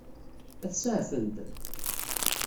Ad t-saɛfent?